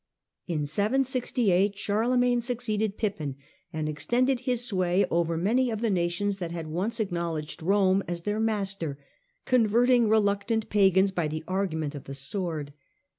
In 768 Charlemagne succeeded Pippin and extended his sway over many of the nations that had once acknowledged Rome as their master, converting reluctant pagans by the argument of the sword.